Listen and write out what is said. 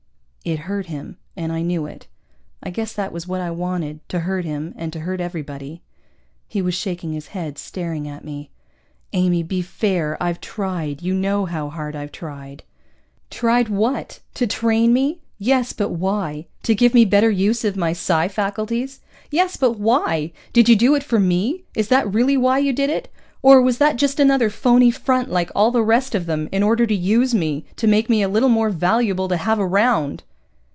It hurt him, and I knew it. I guess that was what I wanted, to hurt him and to hurt everybody. He was shaking his head, staring at me. "Amy, be fair. I've tried, you know how hard I've tried." "Tried what? To train me? Yes, but why? To give me better use of my psi faculties? Yes, but why? Did you do it for me? Is that really why you did it? Or was that just another phoney front, like all the rest of them, in order to use me, to make me a little more valuable to have around?"